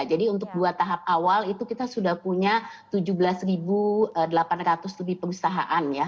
jadi untuk dua tahap awal itu kita sudah punya tujuh belas delapan ratus lebih perusahaan ya